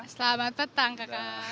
selamat petang kakak